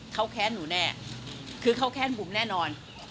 เขาแค้นหนูแน่คือเขาแค้นบุ๋มแน่นอน